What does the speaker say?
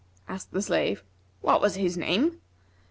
Asked the slave, 'What was his name?'